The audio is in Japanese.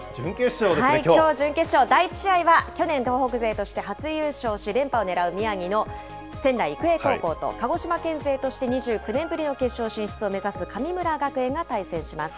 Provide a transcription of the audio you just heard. きょう準決勝、第１試合は去年東北勢として初優勝し、連覇を狙う宮城の仙台育英高校と、鹿児島県勢として２９年ぶりの決勝進出を目指す神村学園が対戦します。